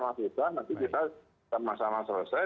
nanti kita sama sama selesai